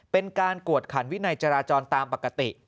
เป็นการกวดขันวินัยจราจรตามปกติ